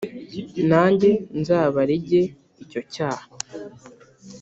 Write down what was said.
nanjye nzabarege icyo cyaha,